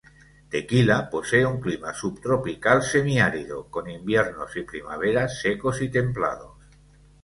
Tequila posee un clima subtropical semiárido, con inviernos y primaveras secos y templados.